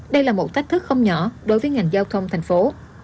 đây là một thách thức không nhỏ đối với ngành giao thông thành phố